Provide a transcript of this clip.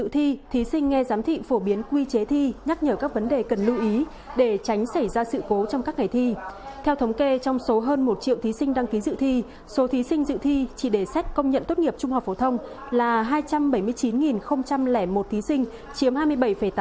theo thống kê trong số hơn một triệu thí sinh đăng ký dự thi số thí sinh dự thi chỉ để xét công nhận tốt nghiệp trung học phổ thông là hai trăm bảy mươi chín một thí sinh chiếm hai mươi bảy tám